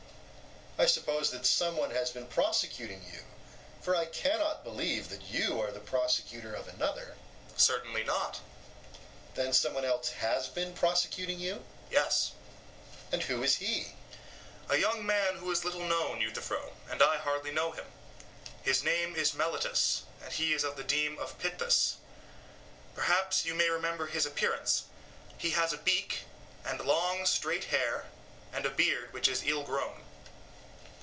I suppose that some one has been prosecuting you, for I cannot believe that you are the prosecutor of another. SOCRATES: Certainly not. EUTHYPHRO: Then some one else has been prosecuting you? SOCRATES: Yes. EUTHYPHRO: And who is he? SOCRATES: A young man who is little known, Euthyphro; and I hardly know him: his name is Meletus, and he is of the deme of Pitthis. Perhaps you may remember his appearance; he has a beak, and long straight hair, and a beard which is ill grown.